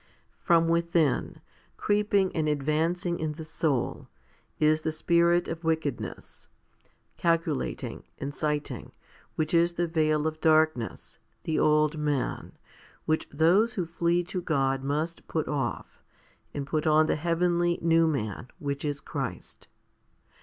3. From within, creeping and advancing in the soul, is the spirit of wickedness, calculating, inciting, which is the veil of darkness, the old man, which those who flee to God must put off, and put on the heavenly, new man, which is Christ.